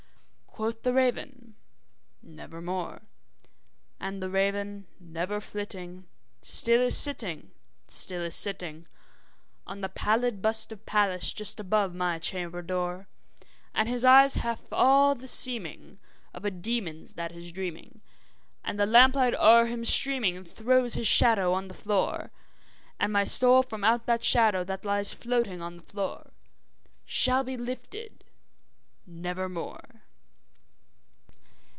Quoth the raven, `Nevermore.' And the raven, never flitting, still is sitting, still is sitting On the pallid bust of Pallas just above my chamber door; And his eyes have all the seeming of a demon's that is dreaming, And the lamp light o'er him streaming throws his shadow on the floor; And my soul from out that shadow that lies floating on the floor Shall be lifted nevermore!